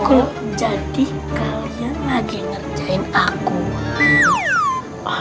oh jadi kalian lagi ngerjain aku waa